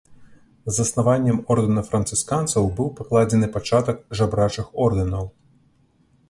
Заснаваннем ордэна францысканцаў быў пакладзены пачатак жабрачых ордэнаў.